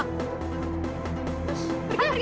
hai pergi pergi